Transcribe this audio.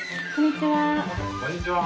こんにちは。